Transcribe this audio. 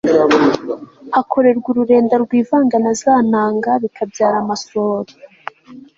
hakorerwa ururenda rwivanga na za ntanga bikabyara amasohoro